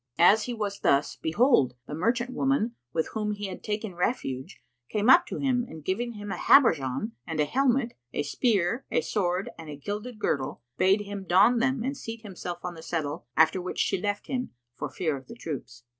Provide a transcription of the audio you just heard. As he was thus, behold, the merchant woman with whom he had taken refuge came up to him and giving him a habergeon and a helmet, a spear, a sword and a gilded girdle, bade him don them and seat himself on the settle after which she left him, for fear of the troops.